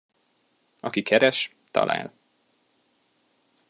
Aki keres, talál.